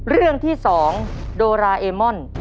เรื่องที่๒โดราเอมอน